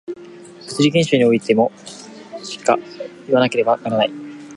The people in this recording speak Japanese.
物理現象においてもしかいわなければならない。